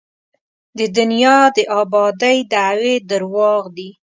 د دنیا د ابادۍ دعوې درواغ دي.